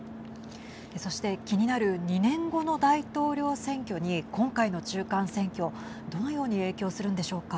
そして気になる２年後の大統領選挙に今回の中間選挙、どのように影響するんでしょうか。